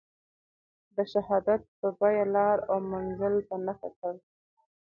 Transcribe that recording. د شهادت په بیه لار او منزل په نښه کړ.